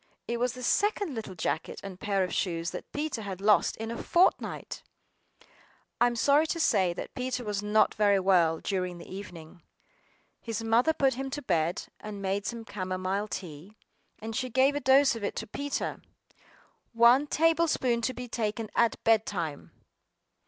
It was the second little jacket and pair of shoes that Peter had lost in a fortnight! I AM sorry to say that Peter was not very well during the evening. His mother put him to bed, and made some camomile tea; and she gave a dose of it to Peter! "One table spoonful to be taken at bed time."